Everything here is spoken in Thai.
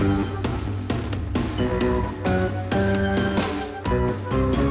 หวังทุกคนเข้ามาไอ้ทุกวัน